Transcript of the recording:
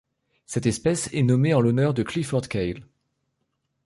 Cette espèce est nommée en l'honneur de Clifford Keil.